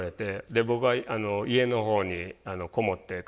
で僕は家のほうにこもって隠れてて。